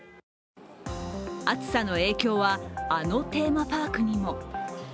暑さの影響は、あのテーマパークにも。